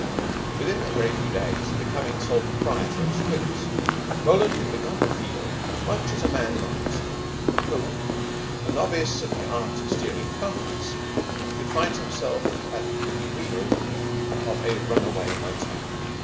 Within a very few days of becoming sole proprietor of 'Squibs,' Roland began to feel much as a man might who, a novice at the art of steering cars, should find himself at the wheel of a runaway motor.